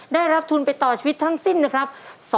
ได้รับทุนไปต่อชีวิตทั้งสิ้นนะครับ